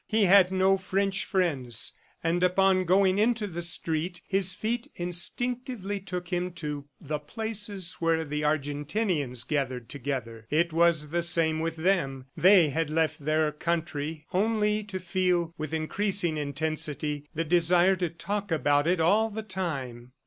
He had no French friends, and upon going into the street, his feet instinctively took him to the places where the Argentinians gathered together. It was the same with them. They had left their country only to feel, with increasing intensity, the desire to talk about it all the time.